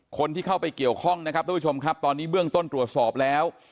คนที่เข้าไปเกี่ยวข้องนะครับทุกผู้ชมครับตอนนี้เบื้องต้นตรวจสอบแล้ว